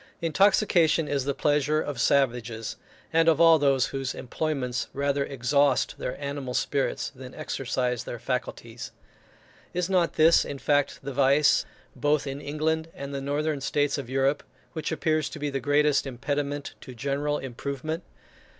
Intoxication is the pleasure of savages, and of all those whose employments rather exhaust their animal spirits than exercise their faculties. Is not this, in fact, the vice, both in England and the northern states of Europe, which appears to be the greatest impediment to general improvement?